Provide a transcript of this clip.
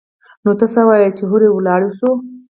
نو ته څه وايي چې هورې ولاړ سو.